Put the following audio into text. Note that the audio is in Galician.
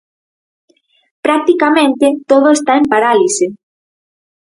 Practicamente todo está en parálise.